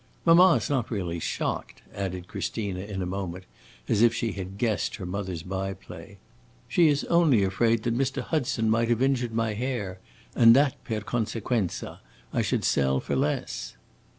"Mamma 's not really shocked," added Christina in a moment, as if she had guessed her mother's by play. "She is only afraid that Mr. Hudson might have injured my hair, and that, per consequenza, I should sell for less."